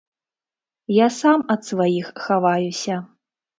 Я сам ад сваіх хаваюся.